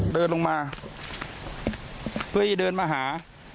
เดินลงมาเพื่อให้เดินมาหา